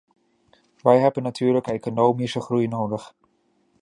Wij hebben natuurlijk economische groei nodig.